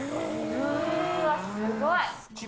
うーわ、すごい。